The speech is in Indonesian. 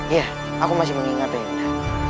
iya aku masih mengingatnya